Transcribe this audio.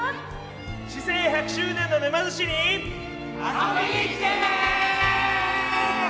市制１００周年の沼津市に遊びに来てね！